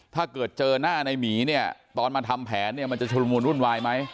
ถ้าเกิดเจอหน้าในหมีเนี่ยตอนมาทำแผนเนี่ยมันจะชุลมูลวุ่นวายไหม